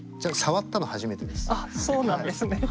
ああそうなんですね。